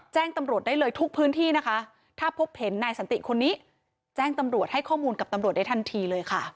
แจ้งตำรวจได้เลยทุกพื้นที่นะคะถ้าพบเห็นนายสันติคนนี้แจ้งตำรวจให้ข้อมูลกับตำรวจได้ทันทีเลยค่ะ